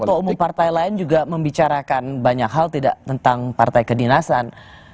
ketua umum partai lain juga membicarakan banyak hal tidak tentang partai kedinasan